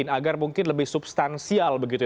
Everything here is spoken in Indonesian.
agar mungkin lebih substansial begitu ya